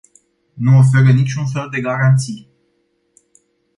Nu oferă niciun fel de garanții.